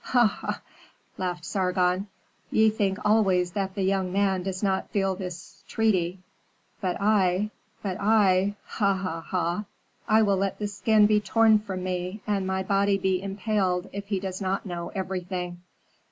Ha! ha! ha!" laughed Sargon. "Ye think always that that young man does not feel this treaty. But I but I ha! ha! ha! I will let the skin be torn from me, and my body be impaled if he does not know everything."